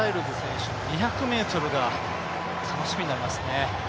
これでライルズ選手の２００ｍが楽しみになりますね。